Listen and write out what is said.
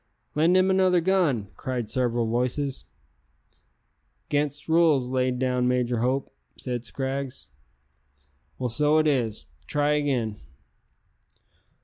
"Lend him another gun," cried several voices. "'Gainst rules laid down by Major Hope," said Scraggs. "Well, so it is; try again."